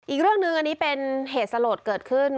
อีกเรื่องหนึ่งอันนี้เป็นเหตุสลดเกิดขึ้น